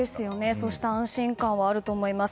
そうした安心感はあると思います。